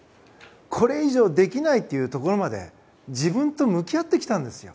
これ以上できないというところまで自分と向き合ってきたんですよ。